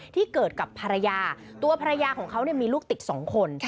ที่เกิดกับภรรยาตัวภรรยาของเขามีลูกติด๒คน